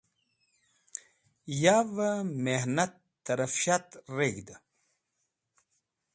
Yavẽ mehnat tẽrafshat reg̃hdẽ.